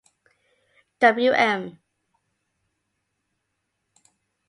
Wm.